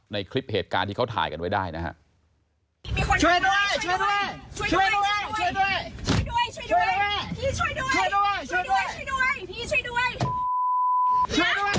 ในคลิปเหตุการณ์ที่เขาถ่ายกันไว้ได้นะฮะ